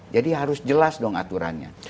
jadi harus jelas dong aturannya